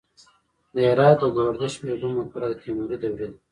د هرات د ګوهردش بیګم مقبره د تیموري دورې ده